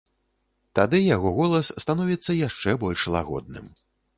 Тады яго голас становіцца яшчэ больш лагодным.